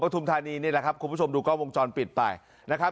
ทุมธานีนี่แหละครับคุณผู้ชมดูกล้องวงจรปิดไปนะครับ